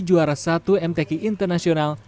juara satu mtq internasional